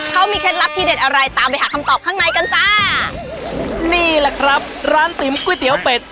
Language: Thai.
เขามีเคล็ดลับที่เด็ดอะไรตามไปหาคำตอบข้างในกันจ้านี่แหละครับร้านติ๋มก๋วยเตี๋ยวเป็ด